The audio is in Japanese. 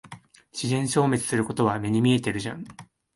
自然消滅することは目に見えてるじゃん。